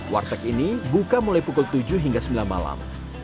warteg ini buka mulai pukul tujuh hingga sembilan malam